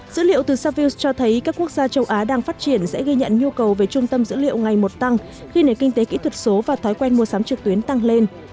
dữ liệu từ savils cho thấy các quốc gia châu á đang phát triển sẽ ghi nhận nhu cầu về trung tâm dữ liệu ngày một tăng khi nền kinh tế kỹ thuật số và thói quen mua sắm trực tuyến tăng lên